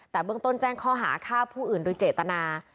แต่เบื้องต้นแจ้งข้อหาฆ่าผู้อื่นโดยเจตนา